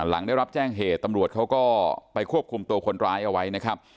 หลังได้รับแจ้งเหตุตำรวจเขาก็ไปควบคุมตัวคนร้ายเอาไว้นะครับ